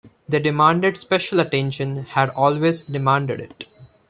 They demanded special attention, had always demanded it.